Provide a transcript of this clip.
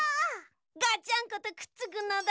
ガチャンコとくっつくのだ！